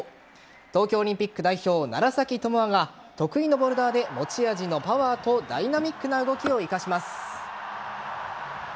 東京オリンピック代表楢崎智亜が得意のボルダーで持ち味のパワーとダイナミックな動きを生かします。